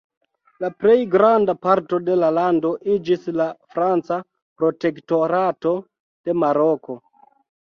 La plej granda parto de la lando iĝis la Franca protektorato de Maroko.